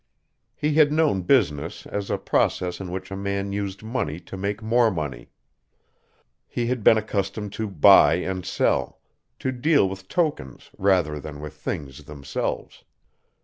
He had known business as a process in which a man used money to make more money. He had been accustomed to buy and sell, to deal with tokens rather than with things themselves.